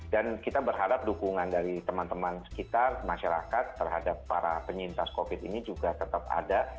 dan kita berharap dukungan dari teman teman sekitar masyarakat terhadap para penyintas covid ini juga tetap ada